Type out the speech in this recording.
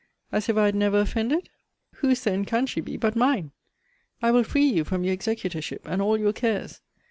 as if I had never offended? Whose then can she be but mine? I will free you from your executorship, and all your cares.